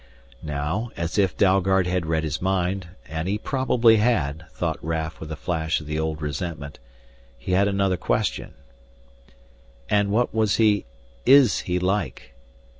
Now, as if Dalgard had read his mind and he probably had, thought Raf with a flash of the old resentment he had another question. "And what was he is he like?"